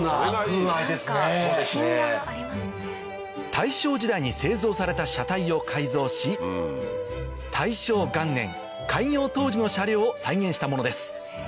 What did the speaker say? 大正時代に製造された車体を改造し大正元年開業当時の車両を再現したものです